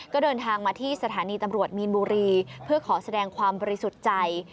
ก็เดินทางมาที่สถานีตำรวจมีนบุรีเพื่อขอแสดงความบริสุทธิ์ใจ